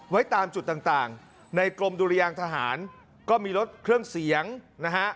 ไว้ตามจุดต่างในกรมดุรยางทหารก็มีรถเครื่องเสียงนะฮะ